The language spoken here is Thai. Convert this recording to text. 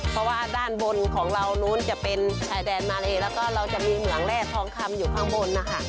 เพราะว่าด้านบนของเรานู้นจะเป็นชายแดนมาเลแล้วก็เราจะมีเหมืองแร่ทองคำอยู่ข้างบนนะคะ